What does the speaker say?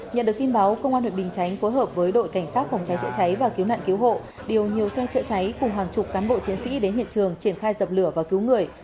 nhận được tin báo công an huyện bình chánh phối hợp với đội cảnh sát phòng cháy chữa cháy và cứu nạn cứu hộ điều nhiều xe chữa cháy cùng hàng chục cán bộ chiến sĩ đến hiện trường triển khai dập lửa và cứu người